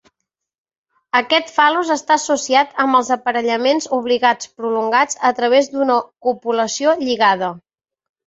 Aquest fal·lus està associat amb els aparellaments obligats prolongats a través d'una copulació lligada.